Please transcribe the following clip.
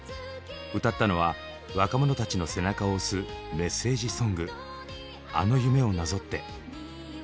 歌ったのは若者たちの背中を押すメッセージソング「あの夢をなぞって」。